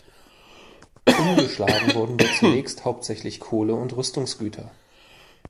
Umgeschlagen wurden dort zunächst hauptsächlich Kohle und Rüstungsgüter.